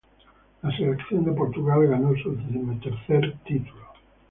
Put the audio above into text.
La selección de Portugal ganó su decimotercero título.